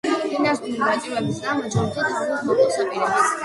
ფინანსური გაჭირვების გამო ჯორჯი თავის მოკვლას აპირებს.